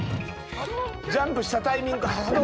ジャンプしたタイミング波動